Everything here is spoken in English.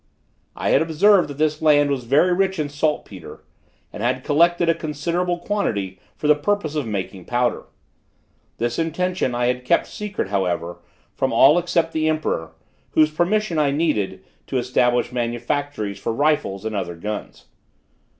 I had observed that this land was very rich in saltpetre, and had collected a considerable quantity for the purpose of making powder. This intention I had kept secret, however, from all except the emperor, whose permission I needed to establish manufactories for rifles and other guns.